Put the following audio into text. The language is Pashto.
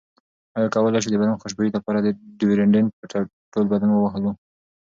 ایا کولی شو د بدن خوشبویۍ لپاره ډیوډرنټ په ټول بدن ووهلو؟